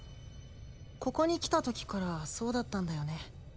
ここに来た時からそうだったんだよね